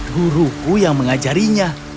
guruku yang mengajarinya